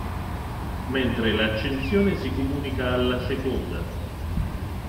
Mentre l'accensione si comunica alla seconda.